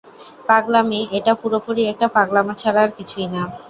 পাগলামি, এটা পুরোপুরি একটা পাগলামো ছাড়া আর কিছুই না!